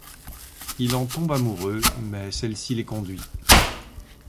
Il en tombe amoureux, mais celle-ci l’éconduit.